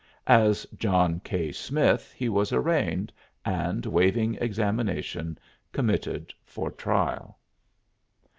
As John K. Smith he was arraigned and, waiving examination, committed for trial.